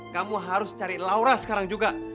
kamu harus cari laura sekarang juga